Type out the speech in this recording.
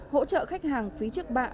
hỗ trợ khách hàng phí trước bạ